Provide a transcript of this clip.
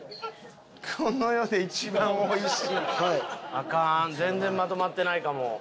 アカン全然まとまってないかも。